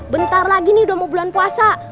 bentar lagi nih udah mau bulan puasa